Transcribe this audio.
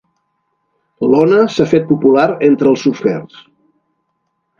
L'ona s'ha fet popular entre els surfers.